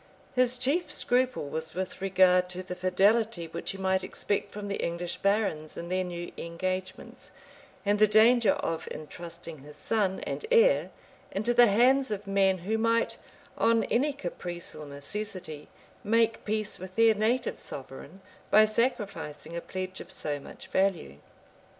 His chief scruple was with regard to the fidelity which he might expect from the English barons in their new engagements, and the danger of intrusting his son and heir into the hands of men who might, on any caprice or necessity, make peace with their native sovereign, by sacrificing a pledge of so much value.